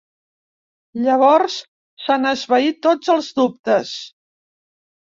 Llavors s'han esvaït tots els dubtes.